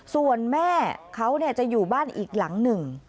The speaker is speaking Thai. ส่วนแม่เขาจะอยู่บ้านอีกหลังหนึ่ง